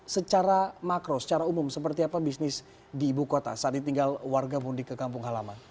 secara makro secara umum seperti apa bisnis di ibu kota saat ditinggal warga mudik ke kampung halaman